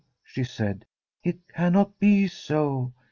' she said. ' It cannot be so